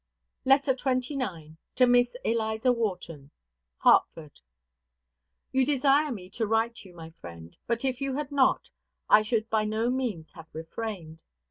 LETTER XXIX. TO MISS ELIZA WHARTON. HARTFORD. You desire me to write to you, my friend; but if you had not, I should by no means have refrained.